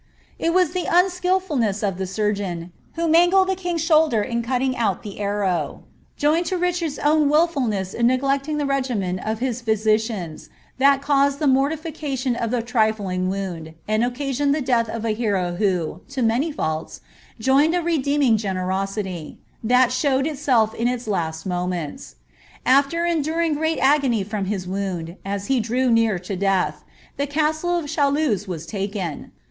It was the noekilfulnu* U the surgeon, who mangled the king's shoulder in cutting out tlie anoiTi Joined to Richard's own wilfulness in neglecting the r^men of bis phy sicians, that caused the mortification of a trifling wound, and occasioDol llie death of a hero who, to many faults, joined a redeeming generutiiy, that showed itself in his last moments. After enduring great agony ligii liis wound, as he drew near to death, the castle of Chaluz was lakea.